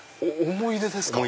思い出ですか